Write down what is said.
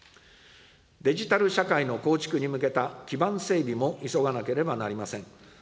デジタル社会の構築に向けた基盤整備も急がなければなりません。